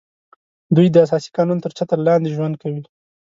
دوی د اساسي قانون تر چتر لاندې ژوند کوي